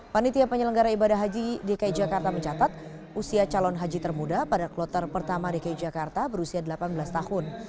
panitia penyelenggara ibadah haji dki jakarta mencatat usia calon haji termuda pada kloter pertama dki jakarta berusia delapan belas tahun